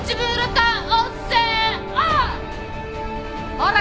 ほら。